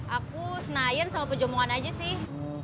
aku senayan sama pejemuan aja sih